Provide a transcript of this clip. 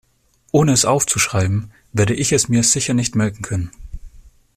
Ohne es aufzuschreiben, werde ich es mir sicher nicht merken können.